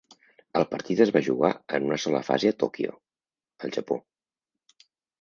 El partit es va jugar en una sola fase a Tòquio, el Japó.